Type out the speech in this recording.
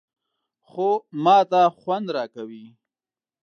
_خو ماته خوند راکوي.